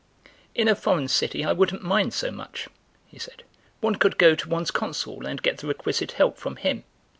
"In a foreign city I wouldn't mind so much," he said; "one could go to one's Consul and get the requisite help from him.